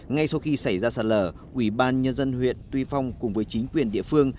ngay sau khi xảy ra sạt lở ủy ban nhân dân huyện tuy phong cùng với chính quyền địa phương